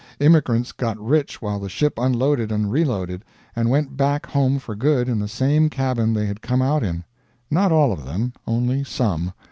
Immigrants got rich while the ship unloaded and reloaded and went back home for good in the same cabin they had come out in! Not all of them. Only some.